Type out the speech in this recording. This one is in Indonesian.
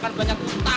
kan banyak utang